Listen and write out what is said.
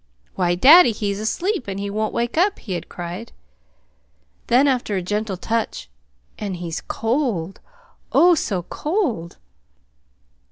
"Why, daddy, he's asleep, and he won't wake up!" he had cried. Then, after a gentle touch: "And he's cold oh, so cold!"